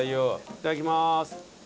いただきます。